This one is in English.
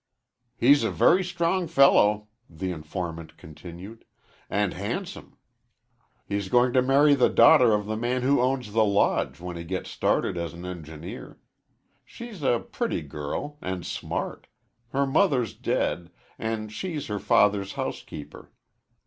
"He's a very strong fellow," the informant continued, "and handsome. He's going to marry the daughter of the man who owns the Lodge when he gets started as an engineer. She's a pretty girl, and smart. Her mother's dead, and she's her father's housekeeper.